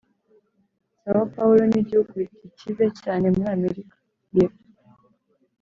são paulo nigihugu gikize cyane muri amerika yepfo.